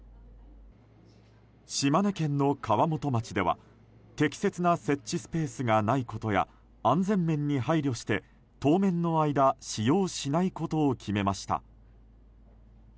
島根県の川本町では適切な設置スペースがないことや安全面に配慮して当面の間使用しないことを決めました。